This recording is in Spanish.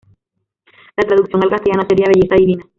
La traducción al castellano sería "belleza divina".